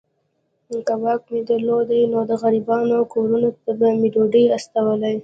که واک مي درلودای نو د غریبانو کورونو ته به مي ډوډۍ استولې.